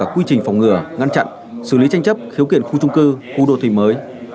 quy trình phòng ngừa ngăn chặn xử lý tranh chấp khiếu kiện khu trung cư khu đô thị mới